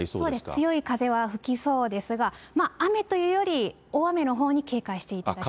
強い風は吹きそうですが、雨というより、大雨のほうに警戒していただきたい。